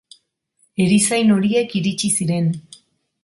Erizain horiek iritsi ziren.